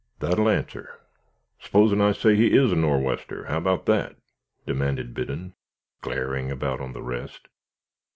"That'll answer. S'posen I say he is a Nor' wester, how 'bout that?" demanded Biddon, glaring about on the rest.